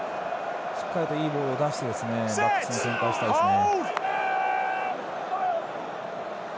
しっかりといいボールを出してバックスに展開したいですね。